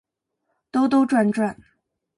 兜兜转转